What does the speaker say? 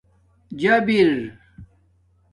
جابِر